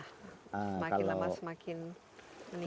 semakin lama semakin meningkat